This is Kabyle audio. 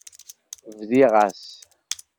Bdiɣ-as.